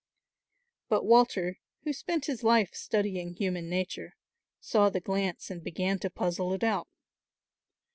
But Walter, who spent his life studying human nature, saw the glance and began to puzzle it out.